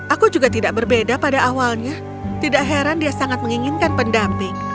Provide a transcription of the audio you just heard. aku juga tidak berbeda pada awalnya tidak heran dia sangat menginginkan pendamping